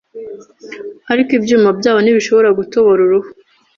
ariko ibyuma byabo ntibishobora gutobora uruhu